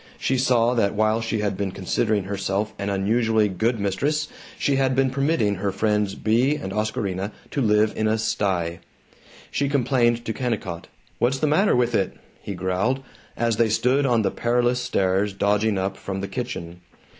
She saw that while she had been considering herself an unusually good mistress, she had been permitting her friends Bea and Oscarina to live in a sty. She complained to Kennicott. "What's the matter with it?" he growled, as they stood on the perilous stairs dodging up from the kitchen.